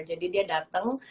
jadi dia dateng